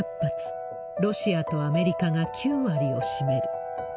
ロシアとアメリカが９割を占める。